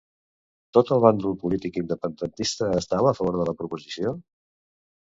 Tot el bàndol polític independentista estava a favor de la proposició?